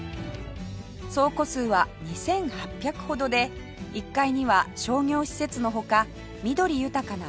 総戸数は２８００ほどで１階には商業施設の他緑豊かな共有スペースも設置